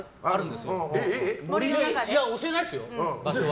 教えないですよ、場所は。